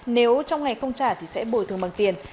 nếu trong ngày không trả thì sẽ bồi thường bằng tiền